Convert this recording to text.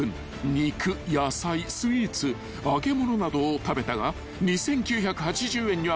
肉野菜スイーツ揚げ物などを食べたが２，９８０円にはまだ程遠い］